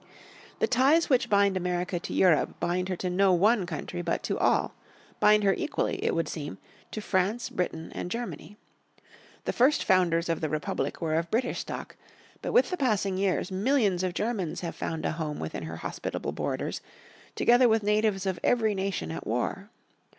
The ties which bind America to Europe bind her to no one country, but to all; bind her equally, it would seem, to France, Britain and Germany. The first founders of the Republic were of British stock, but with the passing years millions of Germans have found a home within her hospitable borders, together with natives of every nation at war.